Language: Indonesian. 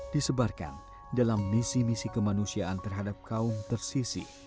disebarkan dalam misi misi kemanusiaan terhadap kaum tersisi